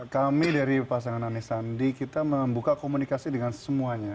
kami dari pasangan anies sandi kita membuka komunikasi dengan semuanya